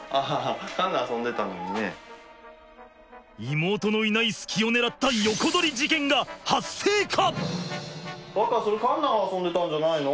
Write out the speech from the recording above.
妹のいない隙を狙った横取り事件が発生か！？